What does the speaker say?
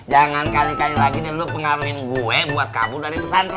jangan kali kali lagi deh lo pengaruhin gue buat kabur dari pesantren